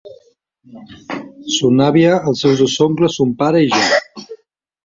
Son àvia, els seus dos oncles, son pare i jo.